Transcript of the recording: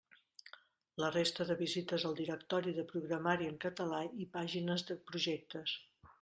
La resta de visites al directori de programari en català i pàgines de projectes.